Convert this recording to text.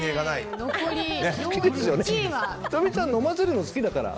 仁美さん飲ませるの好きだから。